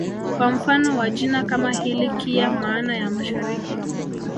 Kwa mfano wa jina kama hili Kiya maana ya Mashariki